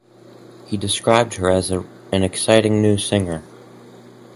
He described her as an exciting new singer.